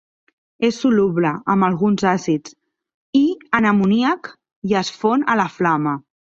És soluble amb alguns àcids i en amoníac i es fon a la flama.